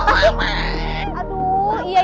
kamu mau pulang ya